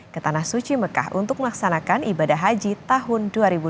ke tanah suci mekah untuk melaksanakan ibadah haji tahun dua ribu dua puluh